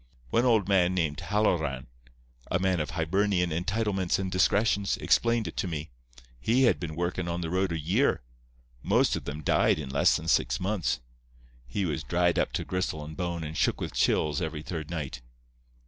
"One old man named Halloran—a man of Hibernian entitlements and discretions, explained it to me. He had been workin' on the road a year. Most of them died in less than six months. He was dried up to gristle and bone, and shook with chills every third night.